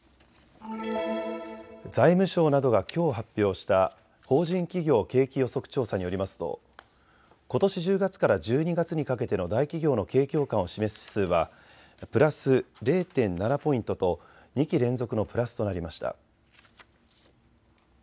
財務省などがきょう発表した法人企業景気予測調査によりますとことし１０月から１２月にかけての大企業の景況感を示す指数はプラス０．７ポイントと２期連続のプラスとなりました。